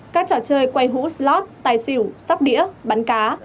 các trò chơi quay hũ slot tài xỉu sắp đĩa bắn cá